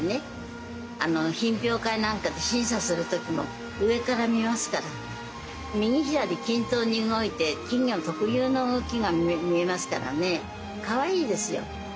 品評会なんかで審査する時も上から見ますから右左均等に動いて金魚の特有の動きが見えますからねかわいいですよ。